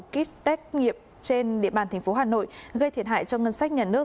kích tách nghiệp trên địa bàn tp hà nội gây thiệt hại cho ngân sách nhà nước